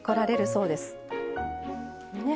そうですね。